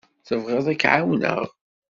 Tebɣiḍ ad k-ɛawneɣ?